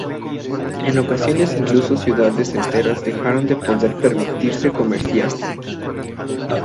En ocasiones incluso ciudades enteras dejaron de poder permitirse comerciar.